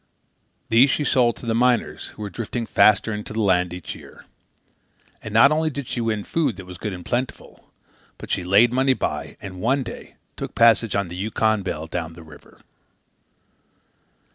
These she sold to the miners, who were drifting faster into the land each year. And not only did she win food that was good and plentiful, but she laid money by, and one day took passage on the Yukon Belle down the river.